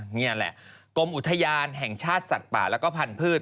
นี่แหละกรมอุทยานแห่งชาติสัตว์ป่าแล้วก็พันธุ์